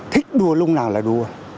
thích đùa lúc nào là đùa